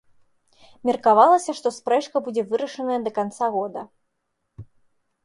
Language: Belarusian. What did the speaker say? Меркавалася, што спрэчка будзе вырашаная да канца года.